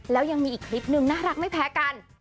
แล้วยังมีอีกคลิปนึงน่ารักไม่แพ้กัน